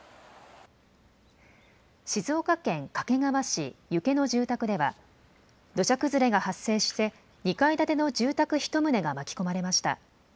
静岡県掛川市遊家の住宅では土砂崩れが発生して２階建ての住宅１棟が巻き込まれました。